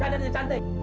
dandan yang cantik